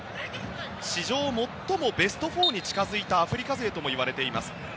史上最もベスト４に近づいたアフリカ勢ともいわれています。